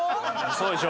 そうでしょ？